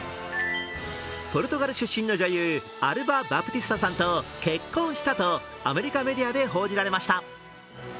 ポルトガル出身の女優、アルバ・バプティスタさんと結婚したとアメリカメディアで報じられました。